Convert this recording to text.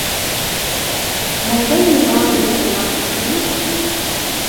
Mazal yebɣa ad yeddu ɣer tallunt?